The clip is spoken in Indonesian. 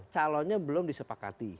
calonnya belum disepakati